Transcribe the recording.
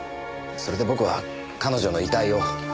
それで僕は彼女の遺体を。